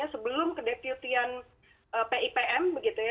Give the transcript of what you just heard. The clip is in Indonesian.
sebelum kedeputian pipm